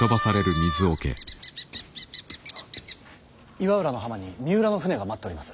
岩浦の浜に三浦の舟が待っております。